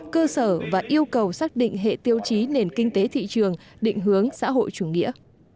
cơ sở và yêu cầu xác định hệ tiêu chí nền kinh tế thị trường định hướng xã hội chủ nghĩa